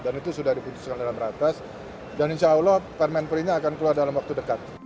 dan itu sudah diputuskan dalam ratas dan insya allah permainan perlindungan akan keluar dalam waktu dekat